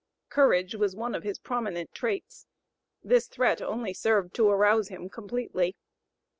Courage was one of his prominent traits. This threat only served to arouse him completely.